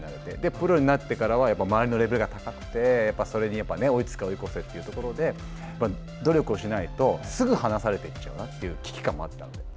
プロになってからは周りのレベルが高くてそれに追いつけ追い越せというところで努力をしないと、すぐに離されていっちゃうなという危機感もあったので。